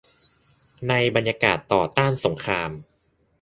ในบรรยากาศต่อต้านสงคราม